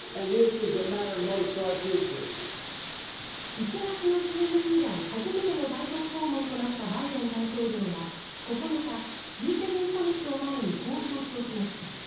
１月の就任以来初めての外国訪問となったバイデン大統領は９日、Ｇ７サミットを前にこう強調しました。